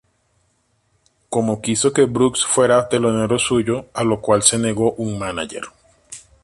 Como quiso que Brooks fuera telonero suyo, a lo cual se negó un mánager.